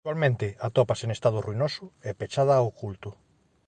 Actualmente atópase en estado ruinoso e pechada ao culto.